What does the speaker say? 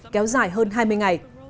kéo dài hơn hai mươi ngày